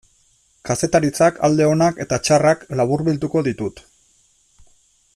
Kazetaritzak alde onak eta txarrak laburbilduko ditut.